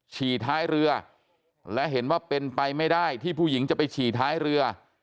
ฉี่ท้ายเรือและเห็นว่าเป็นไปไม่ได้ที่ผู้หญิงจะไปฉี่ท้ายเรือ